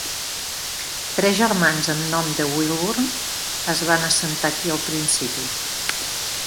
Tres germans amb el nom de Wilburn es van assentar aquí al principi.